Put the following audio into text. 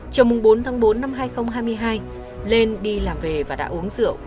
chiều bốn bốn hai nghìn hai mươi hai lên đi làm về và đã uống rượu